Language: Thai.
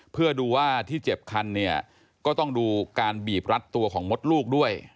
เพื่อดูว่าที่เจ็บคันเนี่ยก็ต้องดูการบีบรัดตัวของมดลูกด้วย